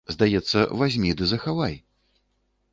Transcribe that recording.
Здаецца, вазьмі ды захавай!